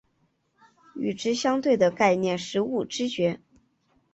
与之相对的概念是物知觉。